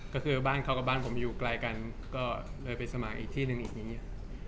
ก็คือบ้านเขากับบ้านผมอยู่ไกลกันก็เลยไปสมัครอีกที่หนึ่งอีกนี้